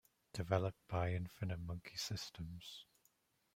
Developed by Infinite Monkey Systems.